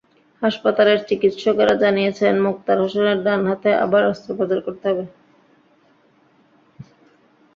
হাসপাতালের চিকিৎসকেরা জানিয়েছেন, মোক্তার হোসেনের ডান হাতে আবার অস্ত্রোপচার করতে হবে।